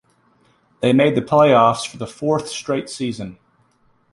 They made the playoffs for the fourth straight season.